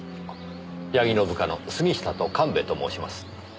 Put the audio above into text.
矢木の部下の杉下と神戸と申します。